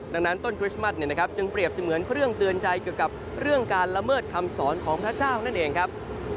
ดังนั้นต้นคริสต์มัสจึงเปรียบเสมือนเครื่องเตือนใจเกี่ยวกับเรื่องการละเมิดคำสอนของพระเจ้านั่นเองครับ